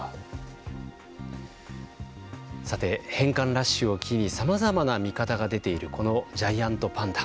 さて、返還ラッシュを機にさまざまな見方が出ているこのジャイアントパンダ。